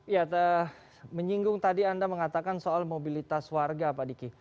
ya menyinggung tadi anda mengatakan soal mobilitas warga pak diki